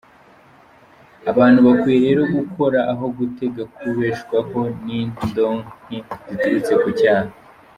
Abantu bakwiye rero gukora aho gutega kubeshwaho n’indonke ziturutse ku cyaha".